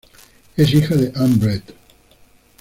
Es hija de Anne Brett.